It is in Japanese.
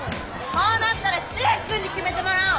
こうなったら千秋君に決めてもらおう！